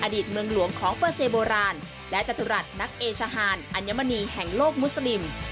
อดีตเมืองหลวงของเปอร์เซโบราณและจตุรัสนักเอชฮานอัญมณีแห่งโลกมุสลิม